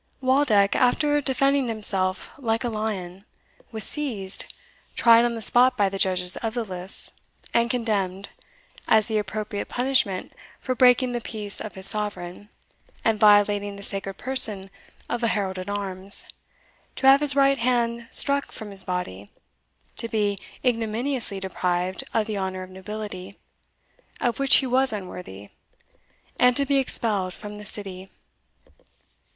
Waldeck, after defending himself like a lion, was seized, tried on the spot by the judges of the lists, and condemned, as the appropriate punishment for breaking the peace of his sovereign, and violating the sacred person of a herald at arms, to have his right hand struck from his body, to be ignominiously deprived of the honour of nobility, of which he was unworthy, and to be expelled from the city.